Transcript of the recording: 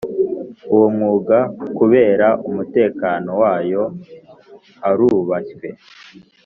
uwo mwugakubera umutekano wayo arubashywe